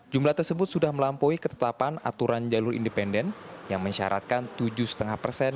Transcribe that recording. jumlah tersebut sudah melampaui ketetapan aturan jalur independen yang mensyaratkan tujuh lima persen